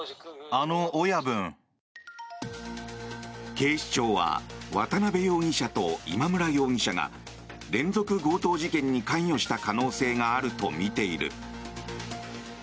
警視庁は渡邉容疑者と今村容疑者が連続強盗事件に関与した可能性があるとみている。